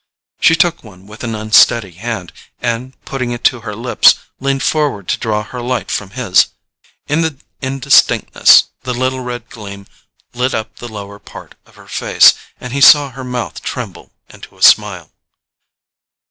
She took one with an unsteady hand, and putting it to her lips, leaned forward to draw her light from his. In the indistinctness the little red gleam lit up the lower part of her face, and he saw her mouth tremble into a smile.